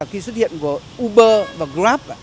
khi xuất hiện của uber và grab